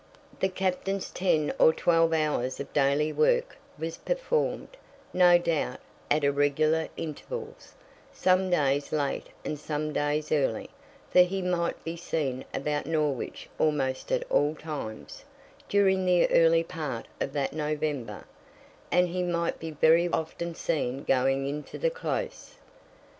The Captain's ten or twelve hours of daily work was performed, no doubt, at irregular intervals, some days late and some days early, for he might be seen about Norwich almost at all times, during the early part of that November; and he might be very often seen going into the Close.